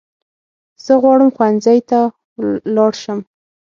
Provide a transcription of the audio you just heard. زه غواړم ښوونځی ته لاړ شم